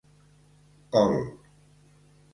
Col